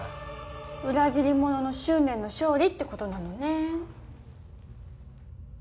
裏切り者の執念の勝利って事なのね。